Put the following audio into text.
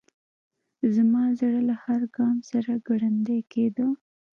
زما زړه له هر ګام سره ګړندی کېده.